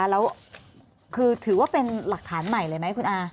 แล้วคือถือว่าเป็นหลักฐานใหม่เลยไหมคุณอา